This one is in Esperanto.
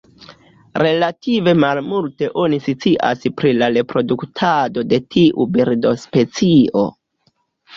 Relative malmulte oni scias pri la reproduktado de tiu birdospecio.